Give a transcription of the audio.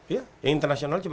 ya yang internasionalnya cuma satu